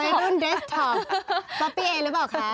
นี่จับไปรุ่นเดสตอปป๊อปปี้เองหรือเปล่าคะ